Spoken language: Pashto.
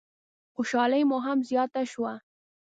خوشحالي مو هم زیاته شوه.